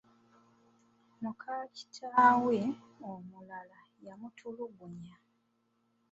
Muka kitaawe omulala y'amutulugunya.